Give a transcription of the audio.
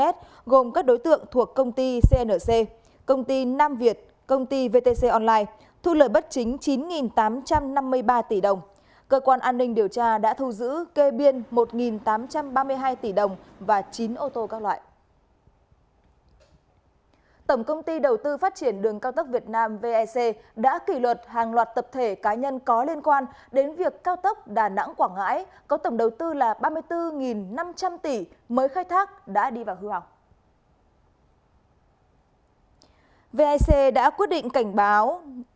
tổng công ty đầu tư phát triển đường cao tốc việt nam vec đã kỷ luật hàng loạt tập thể cá nhân có liên quan đến việc cao tốc đà nẵng quảng ngãi có tổng đầu tư là ba mươi bốn năm trăm linh tỷ mới khai thác đã đi vào hưu học